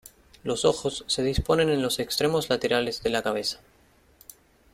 Los ojos se disponen en los extremos laterales de la cabeza.